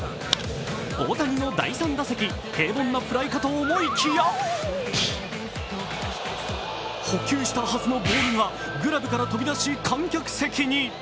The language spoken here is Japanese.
大谷の第３打席、平凡なフライかと思いきや捕球したはずのボールがグラブから飛び出し観客席に。